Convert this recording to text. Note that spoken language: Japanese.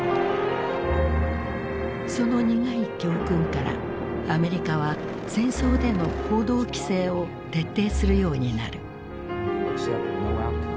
その苦い教訓からアメリカは戦争での報道規制を徹底するようになる。